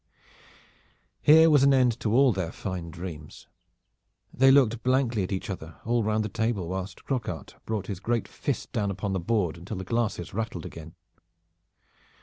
Here was an end to all their fine dreams. They looked blankly at each other all round the table, whilst Croquart brought his great fist down upon the board until the glasses rattled again.